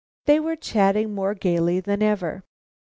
They were chatting more gaily than ever.